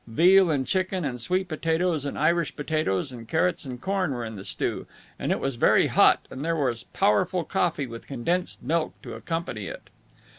Veal and chicken and sweet potatoes and Irish potatoes and carrots and corn were in the stew, and it was very hot, and there was powerful coffee with condensed milk to accompany it.